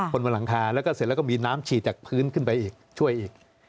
บนหลังคาแล้วก็เสร็จแล้วก็มีน้ำฉีดจากพื้นขึ้นไปอีกช่วยอีก